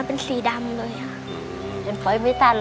เป็นสีดำเลยนะ